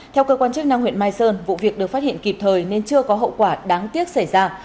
theo cơ quan chức năng huyện mai sơn vụ việc được phát hiện kịp thời nên chưa có hậu quả đáng tiếc xảy ra